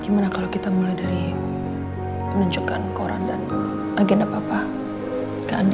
gimana kalau kita mulai dari menunjukkan koran dan agenda papa ke andi